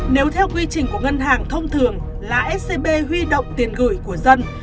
nếu theo quy trình của ngân hàng thông thường là scb huy động tiền gửi của dân